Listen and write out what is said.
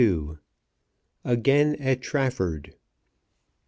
AGAIN AT TRAFFORD.